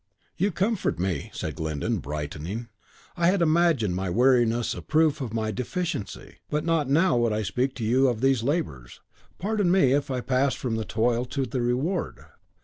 "You comfort me," said Glyndon, brightening. "I had imagined my weariness a proof of my deficiency! But not now would I speak to you of these labours. Pardon me, if I pass from the toil to the reward.